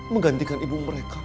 menggantikan ibu mereka